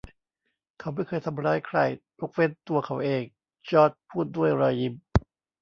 “เขาไม่เคยทำร้ายใคร ยกเว้นตัวเขาเอง” จอร์จพูดด้วยรอยยิ้ม